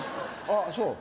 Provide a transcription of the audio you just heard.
あっそう。